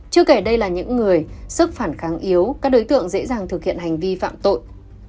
chưa kể đây là những người sức phản kháng yếu các đối tượng dễ dàng thực hiện hành vi phạm tội